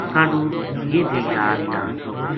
کاہڈو یہ بی جا رہیا